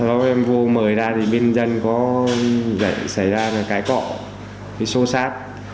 lúc em vô mời ra thì bên dân có dậy xảy ra cái cọ cái sâu sát